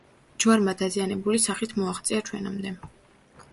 ჯვარმა დაზიანებული სახით მოაღწია ჩვენამდე.